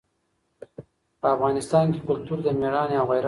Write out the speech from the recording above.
په افغانستان کې کلتور د مېړانې او غیرت نښه ده.